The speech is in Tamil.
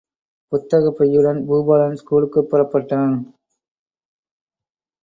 புத்தகப் பையுடன் பூபாலன் ஸ்கூலுக்குப் புறப்பட்டான்.